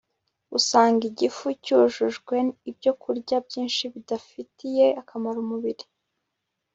usanga igifu cyujujwe ibyokurya byinshi bidafitiye akamaro umubiri